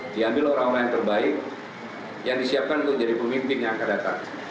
diambil orang orang yang terbaik yang disiapkan untuk jadi pemimpin yang akan datang